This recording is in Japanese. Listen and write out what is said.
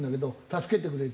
「助けてくれ！」